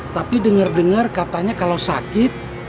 tapi dengar dengar katanya kalau sakit